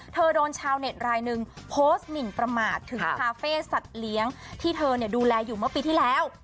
โดนชาวเน็ตรายหนึ่งโพสต์หมินประมาทถึงคาเฟ่สัตว์เลี้ยงที่เธอดูแลอยู่เมื่อปีที่แล้ว